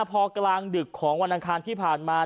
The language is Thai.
พอกลางดึกของวันอังคารที่ผ่านมา